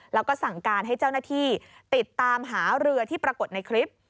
แล้วก็สั่งการให้เจ้าหน้าที่ติดตามหาเรือที่ปรากฏในคลิป